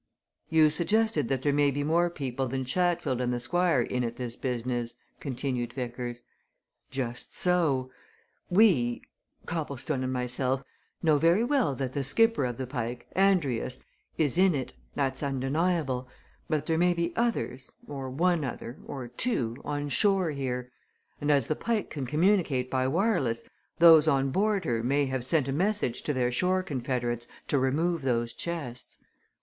"You suggested that there may be more people than Chatfield and the Squire in at this business," continued Vickers. "Just so! We Copplestone and myself know very well that the skipper of the Pike, Andrius, is in it: that's undeniable. But there may be others or one other, or two on shore here. And as the Pike can communicate by wireless, those on board her may have sent a message to their shore confederates to remove those chests.